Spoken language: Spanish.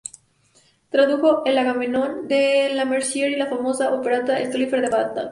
Tradujo el "Agamenón" de Lemercier y la famosa opereta "El califa de Bagdad".